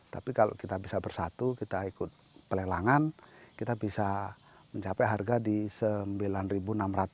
tapi kalau kita bisa bersatu kita ikut pelelangan kita bisa mencapai harga di rp sembilan enam ratus